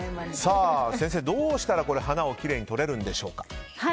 先生、どうしたら花をきれいに撮れるんでしょうか。